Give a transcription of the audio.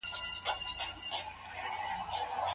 د ماشوم د خوراک اندازه ورو ورو بدله کړئ.